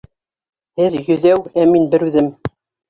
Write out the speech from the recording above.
Һеҙ йөҙәү — ә мин бер үҙем!